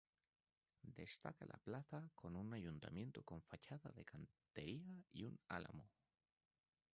Destaca la Plaza, con un ayuntamiento con fachada de cantería y un álamo.